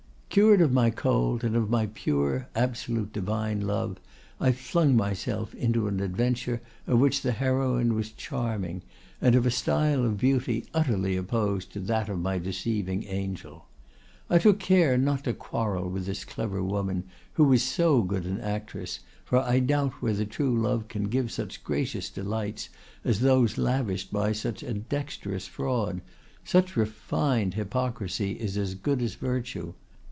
"Cured of my cold, and of my pure, absolute, divine love, I flung myself into an adventure, of which the heroine was charming, and of a style of beauty utterly opposed to that of my deceiving angel. I took care not to quarrel with this clever woman, who was so good an actress, for I doubt whether true love can give such gracious delights as those lavished by such a dexterous fraud. Such refined hypocrisy is as good as virtue.